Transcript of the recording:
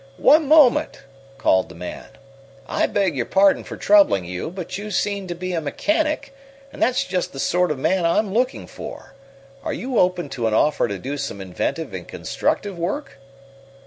"One moment!" called the man. "I beg your pardon for troubling you, but you seem to be a mechanic, and that's just the sort of man I'm looking for. Are you open to an offer to do some inventive and constructive work?"